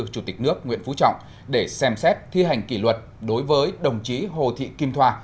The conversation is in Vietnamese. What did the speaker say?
chủ tịch nước nguyễn phú trọng để xem xét thi hành kỷ luật đối với đồng chí hồ thị kim thoa